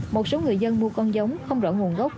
một số người dân mua con giống không rõ nguồn gốc